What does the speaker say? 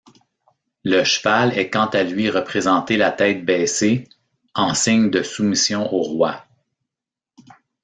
Le cheval est quant-à-lui représenté la tête baissée, en signe de soumission au roi.